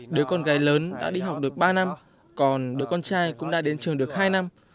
đứa con gái lớn đã đi học được ba năm còn đứa con trai cũng đã đến trường được hai năm